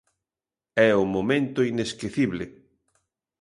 E o momento inesquecible.